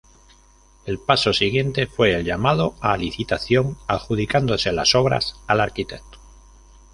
El paso siguiente fue el llamado a licitación, adjudicándose las obras al Arq.